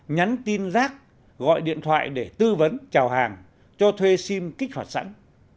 nhắn tin rác gọi điện thoại để tư vấn trào hàng cho thuê sim kích hoạt sẵn